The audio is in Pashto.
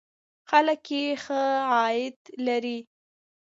خلک یې ښه عاید لري.